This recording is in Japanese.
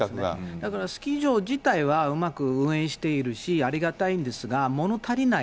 だからスキー場自体はうまく運営しているし、ありがたいんですが、もの足りない。